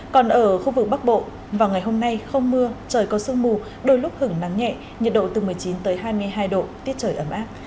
còn ở khu vực bắc bộ vào ngày hôm nay không mưa trời có sương mù đôi lúc hứng nắng nhẹ nhiệt độ từ một mươi chín tới hai mươi hai độ tiết trời ấm áp